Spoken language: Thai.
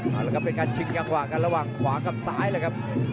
เอาละครับเป็นการชิงจังหวะกันระหว่างขวากับซ้ายเลยครับ